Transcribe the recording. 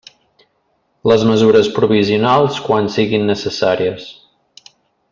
Les mesures provisionals quan siguin necessàries.